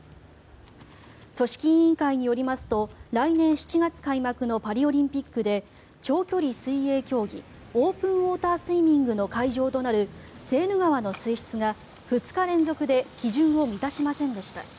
組織委員会によりますと来年７月開幕のパリオリンピックで長距離水泳競技オープンウォータースイミングの会場となるセーヌ川の水質が２日連続で基準を満たしませんでした。